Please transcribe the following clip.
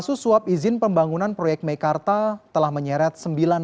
kasus swap izin pembangunan proyek meikarta telah menyeret sejumlah pemerintah